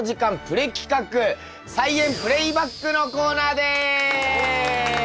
プレ企画「菜園プレイバック」のコーナーです。